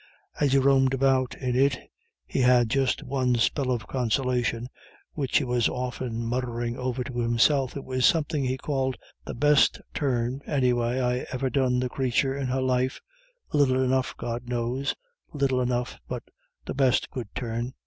As he roamed about in it, he had just one spell of consolation, which he was often muttering over to himself. It was something he called, "The best turn, anyway, I iver done the crathur in her life. Little enough, God knows, little enough, but the best good turn."